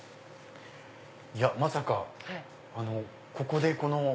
いやまさかここで。